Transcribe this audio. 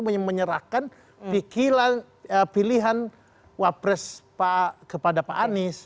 menyerahkan pilihan wak pres kepada pak anies